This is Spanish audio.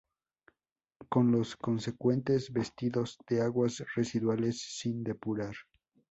con los consecuentes vertidos de aguas residuales sin depurar